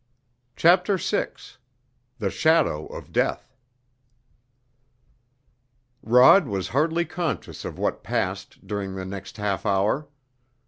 CHAPTER VI THE SHADOW OF DEATH Rod was hardly conscious of what passed during the next half hour.